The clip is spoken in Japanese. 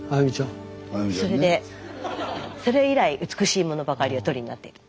それでそれ以来美しいものばかりお撮りになっている。